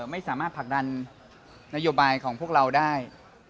ไม่สามารถผลักดันนโยบายของพวกเราได้